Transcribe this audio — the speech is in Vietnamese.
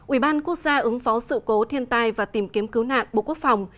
ủy ban quốc gia ứng phó sự cố thiên tai và tìm kiếm cứu nạn bộ quốc phòng